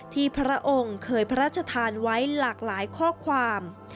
พระองค์เคยพระราชทานไว้หลากหลายข้อความ